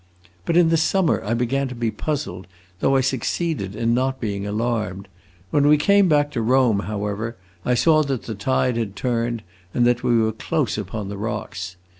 But in the summer I began to be puzzled, though I succeeded in not being alarmed. When we came back to Rome, however, I saw that the tide had turned and that we were close upon the rocks.